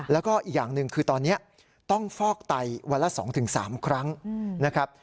แล้วก็อีกอย่างหนึ่งคือตอนนี้ต้องฟอกไตวันละ๒๓ครั้งนะครับ